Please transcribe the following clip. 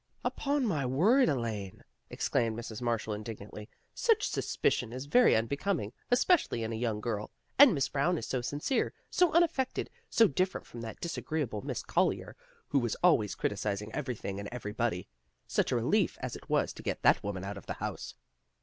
" Upon my word, Elaine," exclaimed Mrs. Marshall indignantly. " Such suspicion is very unbecoming, especially in a young girl. And Miss Brown is so sincere, so unaffected, so different from that disagreeable Miss Collier who was always criticizing everything and everybody. Such a relief as it was to get that woman out of the house."